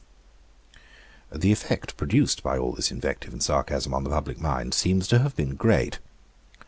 The effect produced by all this invective and sarcasm on the public mind seems to have been great.